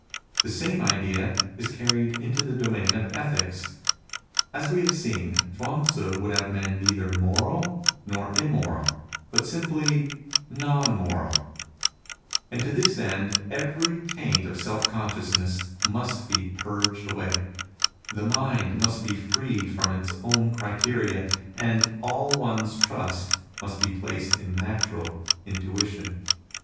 The same idea is carried into the domain of ethics. As we have seen, Chuang Tzu would have men neither moral nor ^ See p. 52. FREEDOM FROM RESTRAINT 21 immoral, but simply non moral. And to this end every taint of self consciousness must be purged away, the mind^^must be freed from its own criteria, and all one's trust must be placed in natural intuition.